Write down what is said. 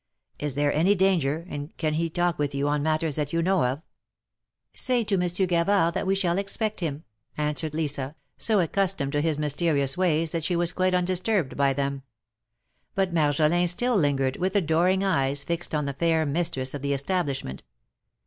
^ Is there any danger, and can he talk with you on matters that you know of ?'" Say to Monsieur Gavard that we shall expect him," answered Lisa, so accustomed to his mysterious ways that she was quite undisturbed by them. But Marjolin still lingered, with adoring eyes flxed on the fair mistress of the establishment.